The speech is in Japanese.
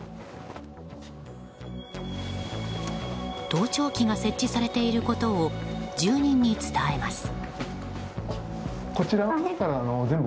盗聴器が設置されていることを住人に伝えます。